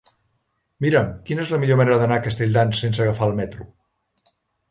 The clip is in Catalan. Mira'm quina és la millor manera d'anar a Castelldans sense agafar el metro.